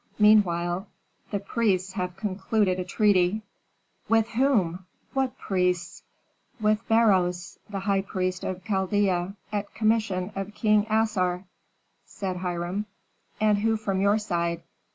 Meanwhile the priests have concluded a treaty." "With whom? What priests?" "With Beroes, the high priest of Chaldea, at commission of King Assar," said Hiram. "And who from your side?